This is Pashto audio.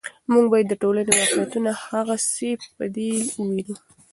موږ باید د ټولنې واقعیتونه هغسې چې دي ووینو.